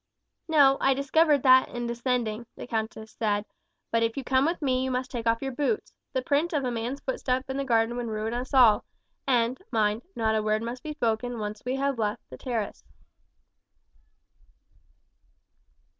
"No, I discovered that in descending," the countess said; "but if you come with me you must take off your boots the print of a man's footstep in the garden would ruin us all; and mind, not a word must be spoken when we have once left the terrace."